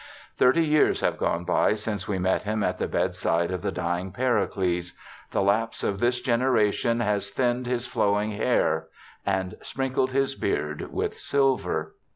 Thirty 3'ears have gone by since we met him at the bedside of the dying Pericles. The lapse of this generation has thinned his flowing hair, and sprinkled his beard with silver.